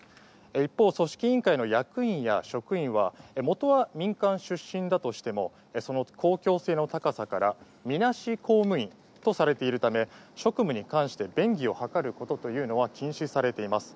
一方、組織委員会の役員や職員はもとは民間出身だとしてもその公共性の高さからみなし公務員とされているため職務に関して便宜を図ることというのは禁止されています。